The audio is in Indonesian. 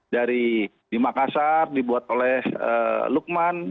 dari di makassar dibuat oleh lukman